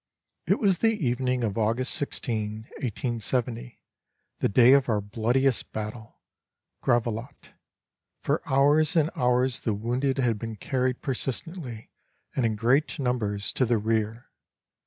"It was the evening of August 16, 1870, the day of our bloodiest battle Gravelotte. For hours and hours the wounded had been carried persistently and in great numbers to the rear.